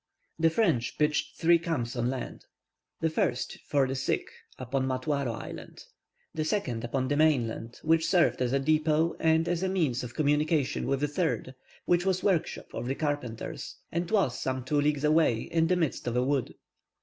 The French pitched three camps on land. The first for the sick, upon Matuaro Island, the second upon the mainland, which served as a depôt, and a means of communication with the third, which was the workshop of the carpenters, and was some two leagues away in the midst of a wood.